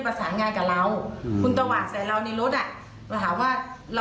อาศัยมาเขาก็ยังอยากเข้ามา